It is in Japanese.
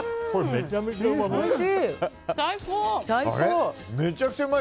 めちゃめちゃうまい。